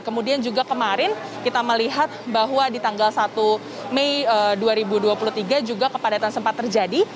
kemudian juga kemarin kita melihat bahwa di tanggal satu mei dua ribu dua puluh tiga juga kepadatan sempat terjadi